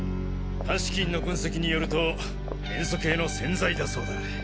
鑑識員の分析によると塩素系の洗剤だそうだ。